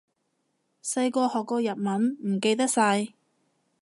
細個學過日文，唔記得晒